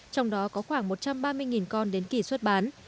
trong đó có khoảng một trăm ba mươi con đến kỳ xuất bán